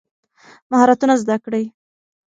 مهارتونه زده کړئ.